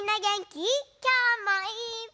きょうもいっぱい。